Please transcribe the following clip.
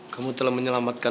kamu telah menyelamatkan